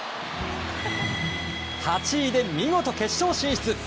８位で見事、決勝進出！